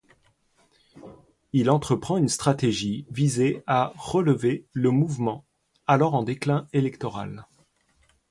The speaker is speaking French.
Il entreprend une stratégie viser à relever le mouvement, alors en déclin électoral.